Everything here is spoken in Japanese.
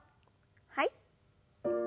はい。